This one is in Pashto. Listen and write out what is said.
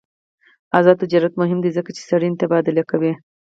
آزاد تجارت مهم دی ځکه چې څېړنې تبادله کوي.